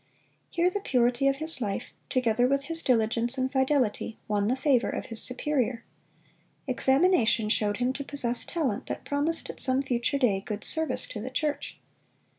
Here the purity of his life, together with his diligence and fidelity, won the favor of his superior. Examination showed him to possess talent that promised at some future day good service to the church.